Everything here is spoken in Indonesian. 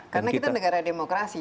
karena kita negara demokrasi